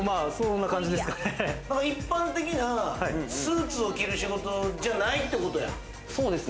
一般的なスーツを着る仕事じゃないってことや。